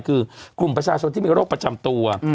คือกลุ่มประชาชนที่มีโรคประจำตัว